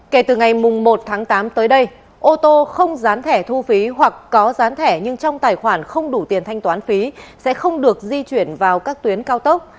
kể từ ngày một tháng tám tới đây ô tô không dán thẻ thu phí hoặc có gián thẻ nhưng trong tài khoản không đủ tiền thanh toán phí sẽ không được di chuyển vào các tuyến cao tốc